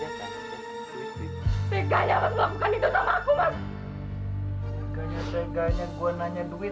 terlihat berhubungan pengekandungan di rumah